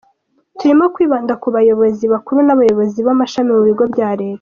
Turimo kwibanda ku bayobozi bakuru n’abayobozi b’amashami mu bigo bya leta.